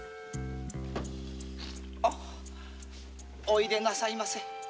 おいでなさいませ。